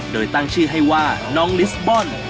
โดยตั้งชื่อให้ว่าน้องลิสบอล